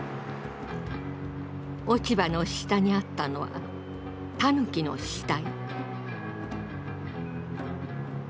落ち葉の下にあったのはタヌキの死体。